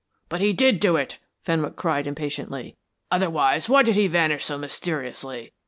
"But he did do it," Fenwick cried impatiently. "Otherwise why did he vanish so mysteriously?